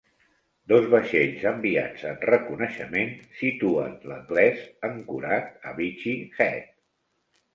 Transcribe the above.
Dos vaixells enviats en reconeixement situen l'anglès ancorat a Beachy Head.